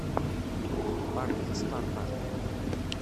Berkat asṭerṭer!